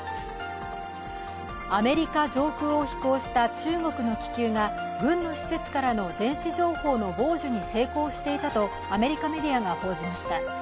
アメリカ上空を飛行した中国の気球が軍の施設からの電子情報の傍受に成功していたとアメリカメディアが報じました。